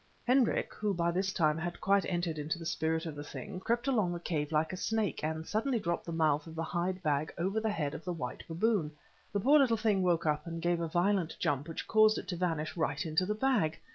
Hendrik, who by this time had quite entered into the spirit of the thing, crept along the cave like a snake, and suddenly dropped the mouth of the hide bag over the head of the white baboon. The poor little thing woke up and gave a violent jump which caused it to vanish right into the bag.